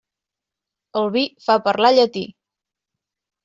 El vi fa parlar llatí.